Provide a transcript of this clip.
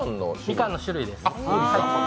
みかんの種類です。